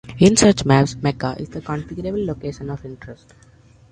In such maps, Mecca is the configurable location of interest.